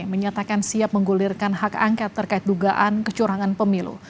menyatakan siap menggulirkan hak angket terkait dugaan kecurangan pemilu